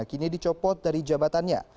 kini dicopot dari jabatannya